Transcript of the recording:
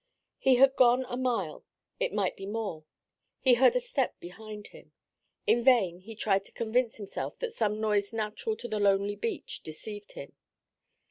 He had gone a mile, it might be more; he heard a step behind him. In vain he tried to convince himself that some noise natural to the lonely beach deceived him.